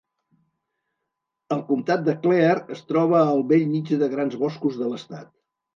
El comtat de Clare es troba al bell mig de grans boscos de l'estat.